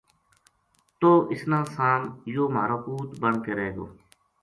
توہ اس نا سام یوہ مھارو پُوت بن کے رہ گو